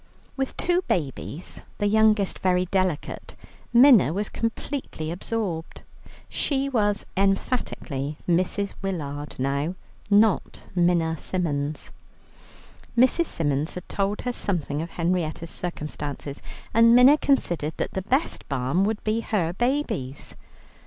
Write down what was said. With two babies, the youngest very delicate, Minna was completely absorbed. She was emphatically Mrs. Willard now, not Minna Symons. Mrs. Symons had told her something of Henrietta's circumstances, and Minna considered that the best balm would be her babies.